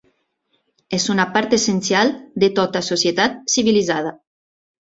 És una part essencial de tota societat civilitzada.